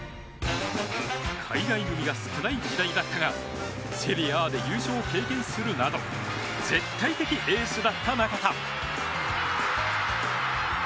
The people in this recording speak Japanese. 海外組が少ない時代だったがセリエＡで優勝を経験するなど絶対的エースだった中田。